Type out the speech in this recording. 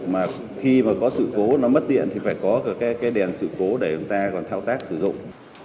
mà khi mà có sự cố nó mất điện thì phải có cái đèn sự cố để chúng ta còn thao tác sử dụng